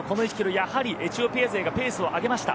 やはりエチオピア勢がペースを上げました。